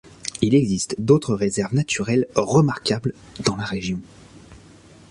Il existe d'autres réserves naturelles remarquables dans la région.